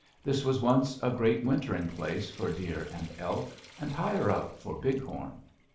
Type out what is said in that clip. This was once a great wintering place for deer and elk, and, higher up, for bighorn.